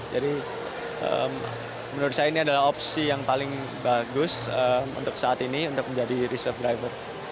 jadi menurut saya ini adalah opsi yang paling bagus untuk saat ini untuk menjadi reserve driver